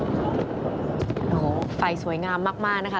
โอ้โหไฟสวยงามมากนะคะ